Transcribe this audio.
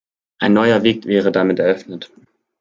Ein neuer Weg wäre damit eröffnet.